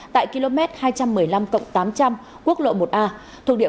tại km hai trăm một mươi năm cộng tám trăm linh quốc lộ một a thuộc địa phận phường duy minh